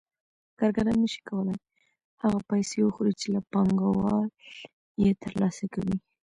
کارګران نشي کولای هغه پیسې وخوري چې له پانګوال یې ترلاسه کوي